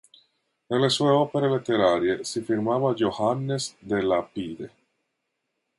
Nelle sue opere letterarie si firmava Johannes de Lapide.